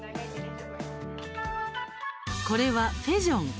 これは、フェジョン。